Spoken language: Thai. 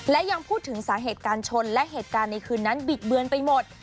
และยังพูดถึงสาเหตุการชนและเหตุการณ์ในคืนนั้นบิดเบือนไปหมด